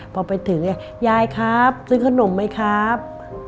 พอไปถึงยายครับซื้อขนมไหมครับ